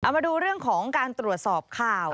มาดูเรื่องของการตรวจสอบข่าว